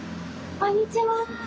こんにちは。